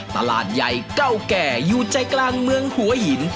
ตลาดใหญ่เก่าแก่อยู่ใจกลางเมืองหัวหิน